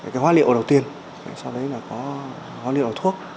cái hóa liệu đầu tiên sau đấy là có hóa liệu thuốc